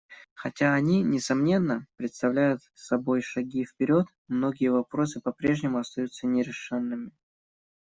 Хотя они, несомненно, представляют собой шаги вперед, многие вопросы по-прежнему остаются нерешенными.